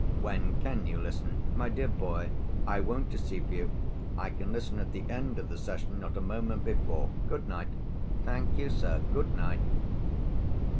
"When can you listen?" "My dear boy! I won't deceive you. I can listen at the end of the session, not a moment before. Good night." "Thank you, sir. Good night."